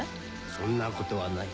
・そんなことはない